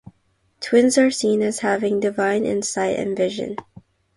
Twins are seen as having divine insight and vision.